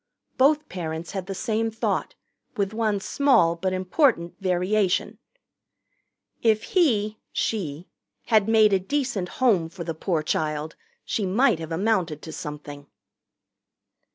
Both parents had the same thought, with one small but important variation: "If he (she) had made a decent home for the poor child, she might have amounted to something."